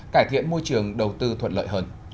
cải thiện môi trường đầu tư thuận lợi hơn